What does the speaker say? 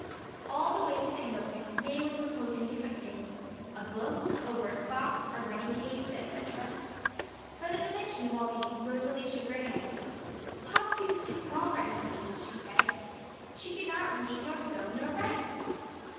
All the way to Pendleton, May was proposing different things: a book, a work box, a writing case, etc; but at the mention of all these Rosalie shook her head. 'Popsey was too small for any of these,' she said; 'she could not read, nor sew, nor write.'